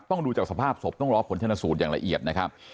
ดูจากสภาพศพต้องรอผลชนสูตรอย่างละเอียดนะครับ